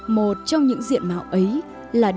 một trong những diện mạo ấy là đồ gốm